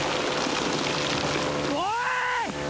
おい！